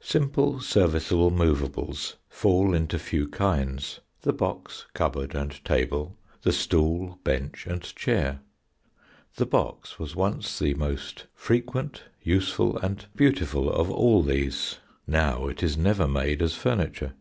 Simple, serviceable movables fall into few kinds: the box, cupboard, and table, the stool, bench, and chair. The box was once the most frequent, useful, and beautiful of all these; now it is never made as furniture.